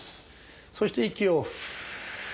そして息を。